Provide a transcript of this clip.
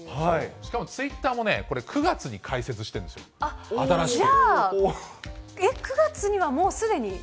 しかもツイッターをこれ、９月に開設しているんですよ、新しく。